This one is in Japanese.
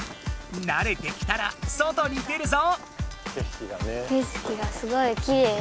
なれてきたら外に出るぞ。